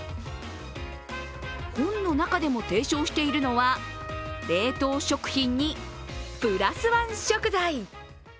本の中でも提唱しているのは、冷凍食品にプラス１食材。